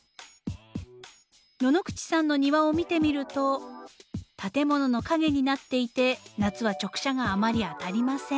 野々口さんの庭を見てみると建物の陰になっていて夏は直射があまり当たりません。